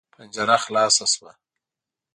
پنجره خلاصه شوه.